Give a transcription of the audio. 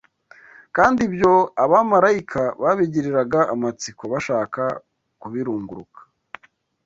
Kandi ibyo abamarayika babigiriraga amatsiko, bashaka kubirunguruka